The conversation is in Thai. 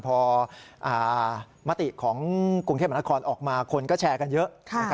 พอมติของกรุงเทพมหานครออกมาคนก็แชร์กันเยอะ